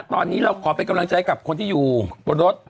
ตอนนี้เราขอเป็นกำลังใจกับคนที่อยู่บนรถ